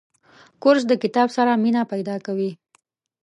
کورس د کتاب سره مینه پیدا کوي.